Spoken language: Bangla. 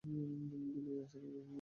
মিন বিন-এ আসার জন্য ধন্যবাদ।